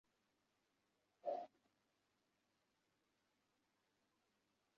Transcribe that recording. তাঁদের বিরুদ্ধে ব্যাংকের শাখা ব্যবস্থাপক মিজানুর রহমান কোতোয়ালি থানায় মামলা করেছেন।